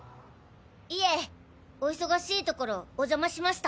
いえお忙しいところお邪魔しました。